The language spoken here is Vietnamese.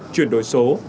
chuyển đổi số